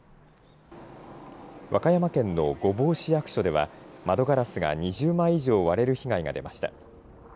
和歌山県の御坊市役所では窓ガラスが２０枚以上割れる被害が出ました。